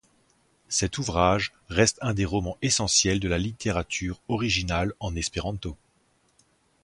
Cet ouvrage reste un des romans essentiels de la littérature originale en espéranto.